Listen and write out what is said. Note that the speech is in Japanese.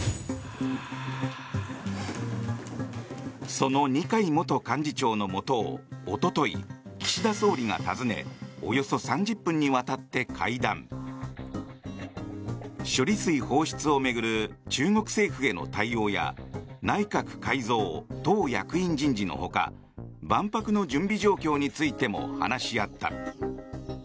その二階元幹事長のもとをおととい、岸田総理が訪ねおよそ３０分にわたって会談。処理水放出を巡る中国政府への対応や内閣改造、党役員人事のほか万博の準備状況についても話し合った。